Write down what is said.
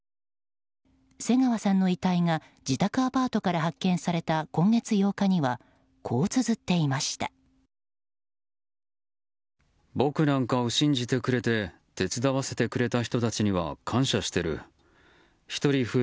瀬川さんの遺体が自宅アパートから発見された今月８日にはこうつづっていました。